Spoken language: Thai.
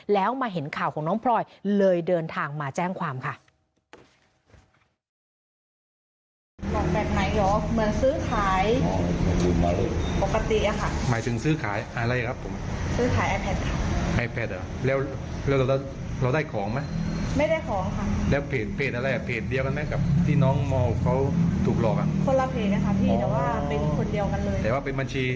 แล้วมาเห็นข่าวของน้องพลอยเลยเดินทางมาแจ้งความค่ะ